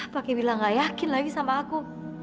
pakai bilang gak yakin lagi sama aku